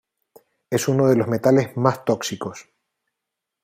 Es uno de los metales más tóxicos.